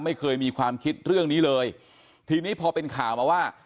ไม่เคยมีความคิดเรื่องนี้เลยทีนี้พอเป็นข่าวมาว่า